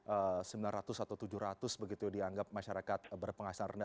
ee sembilan ratus atau tujuh ratus begitu ya dianggap masyarakat berpenghasilan rendah